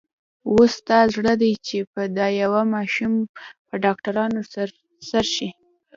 اوس ستا زړه دی چې په دا يوه ماشوم په ډاکټرانو سر شې.